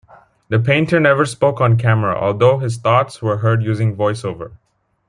The Painter never spoke on-camera, although his thoughts were heard using voice over.